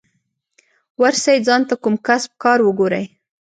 ورسئ ځان ته کوم کسب کار وگورئ.